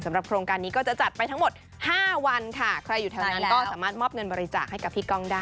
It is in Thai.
โครงการนี้ก็จะจัดไปทั้งหมดห้าวันค่ะใครอยู่แถวนั้นก็สามารถมอบเงินบริจาคให้กับพี่ก้องได้